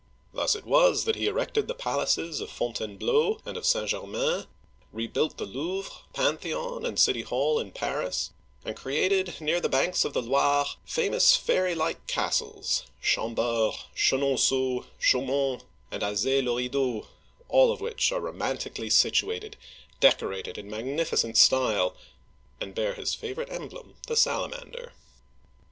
Thus it was that he erected the palaces of Fontainebleau (f6N ten blo') and of St. Germain (saN zhar maN^), rebuilt the Louvre, Pantheon, and city hall in Paris, and created near the banks of the Loire famous fairylike castles (Chambord, Chenonceaux, Chaumont, and Azay le Rideau), all of which are romantically situated, decorated in magnificent style, and bear his favorite emblem, the salamander.